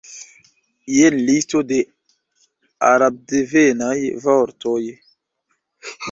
Jen listo de arabdevenaj vortoj.